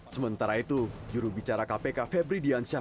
sementara itu jurubicara kpk febri diansyah